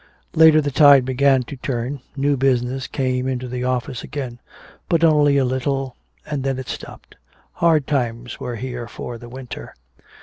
Later the tide began to turn, new business came into the office again. But only a little, and then it stopped. Hard times were here for the winter.